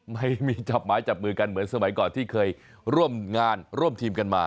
ไม่มีจับไม้จับมือกันเหมือนสมัยก่อนที่เคยร่วมงานร่วมทีมกันมา